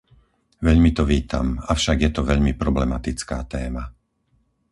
Veľmi to vítam, avšak je to veľmi problematická téma.